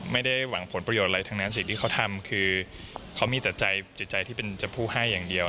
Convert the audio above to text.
ไม่ได้หวังผลประโยชน์อะไรทั้งนั้นสิ่งที่เขาทำคือเขามีแต่ใจจิตใจที่เป็นเจ้าผู้ให้อย่างเดียว